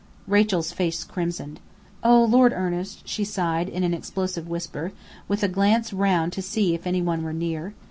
Rachel's face crimsoned. "Oh, Lord Ernest!" she sighed in an explosive whisper, with a glance round to see if any one were near.